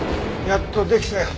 やっとできたよ